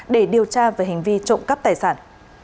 để điều tra về hành vi trộm cắp tài sản